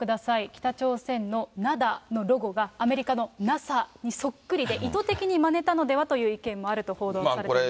北朝鮮のＮＡＤＡのロゴが、アメリカのＮＡＳＡにそっくりで、意図的にまねたのではと意見もあると報道されています。